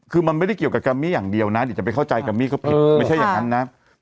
คือมันไม่ได้เกี่ยวกับกัมมี่อย่างเดียวนะเดี๋ยวจะไปเข้าใจกัมมี่ก็ผิดไม่ใช่อย่างนั้นนะ